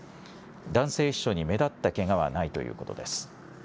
男性秘書に目立ったけがはないということです。